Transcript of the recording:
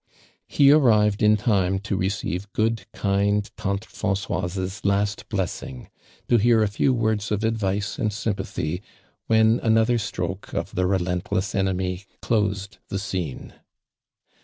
He arrived iu time to receive good kind tante Francoise's last blessing, to heor a few words of iulvic:o and sympathy, when anoth<!r stroke of the rolentless enemy closed the scene.